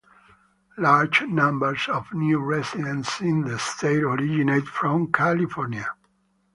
Large numbers of new residents in the state originate from California.